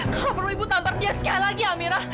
kalau perlu ibu tampar dia sekali lagi amirah